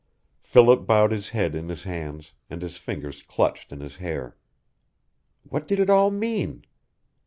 Philip bowed his head in his hands, and his fingers clutched in his hair. What did it all mean?